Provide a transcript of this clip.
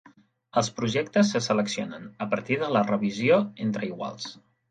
Els projectes se seleccionen a partir de la revisió entre iguals.